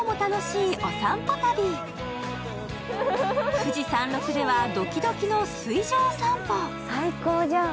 富士山麓ではドキドキの水上散歩。